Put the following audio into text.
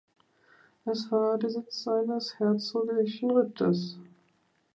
Es war der Sitz eines herzoglichen Richters.